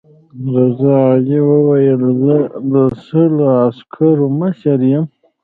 رضا علي وویل زه د سلو عسکرو مشر یم.